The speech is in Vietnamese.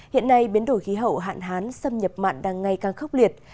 hiện nay biến đổi khí hậu hạn hán xâm nhập mặn đang ngày càng khốc liệt